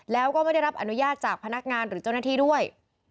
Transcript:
แล้วก็ไม่ได้รับอนุญาตจากพนักงานหรือเจ้าหน้าที่ด้วย